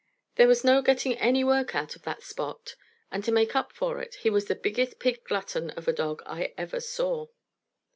There was no getting any work out of that Spot; and to make up for it, he was the biggest pig glutton of a dog I ever saw.